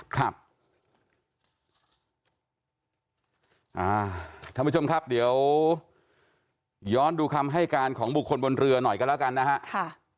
ท่านผู้ชมครับเดี๋ยวย้อนดูคำให้การของบุคคลบนเรือหน่อยกันแล้วกันนะฮะ